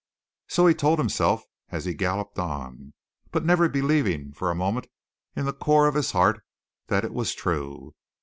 So he told himself as he galloped on, but never believing for a moment in the core of his heart that it was true.